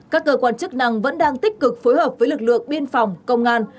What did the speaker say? các cơ quan chức năng vẫn đang tích cực phối hợp với lực lượng biên phòng công an